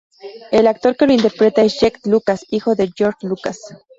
El actor que lo interpreta es Jett lucas, hijo de George Lucas.